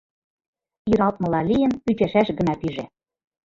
Иралтмыла лийын, ӱчашаш гына пиже.